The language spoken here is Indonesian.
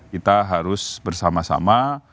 kita harus bersama sama